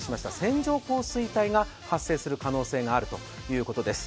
線状降水帯が発生する可能性があるということです。